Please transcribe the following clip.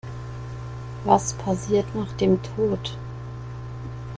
Was passiert nach dem Tod?